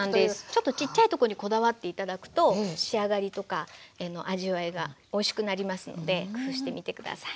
ちょっとちっちゃいとこにこだわって頂くと仕上がりとか味わいがおいしくなりますので工夫してみて下さい。